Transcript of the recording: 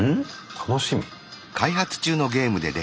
楽しみ。